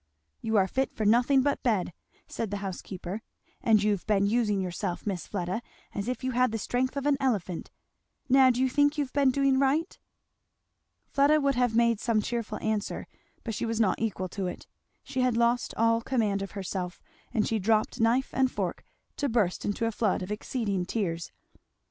"You are fit for nothing but bed," said the housekeeper, "and you've been using yourself, Miss Fleda, as if you had the strength of an elephant. Now do you think you've been doing right?" Fleda would have made some cheerful answer, but she was not equal to it; she had lost all command of herself, and she dropped knife and fork to burst into a flood of exceeding tears.